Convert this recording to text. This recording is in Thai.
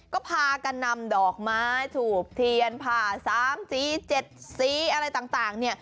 ก็พากันนำดอกไม้ถูบเทียนผ่า๓๔๗๔อะไรต่าง